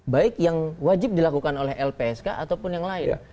baik yang wajib dilakukan oleh lpsk ataupun yang lain